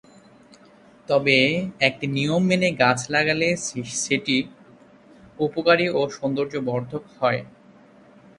তবে একটি নিয়ম মেনে গাছ লাগালে সেটি উপকারী ও সৌন্দর্যবর্ধক হয়।